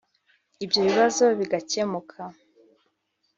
ibyo bibazo bigakemuka